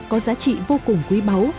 có giá trị vô cùng quý báu